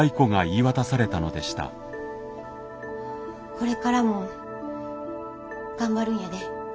これからも頑張るんやで。